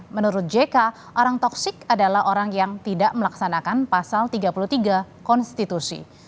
menurut jk orang toksik adalah orang yang tidak melaksanakan pasal tiga puluh tiga konstitusi